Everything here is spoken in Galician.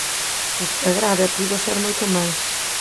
Isto é grave e puido ser moito máis.